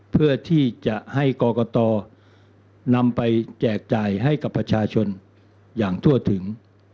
เพื่อที่จะให้กรกตนำไปแจกจ่ายให้กับประชาชนอย่างทั่วถึง